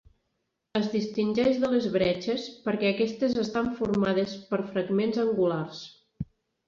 Es distingeix de les bretxes perquè aquestes estan formades per fragments angulars.